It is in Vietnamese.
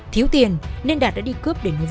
thiếu tiền nên đạt đã đi cướp để nuôi vợ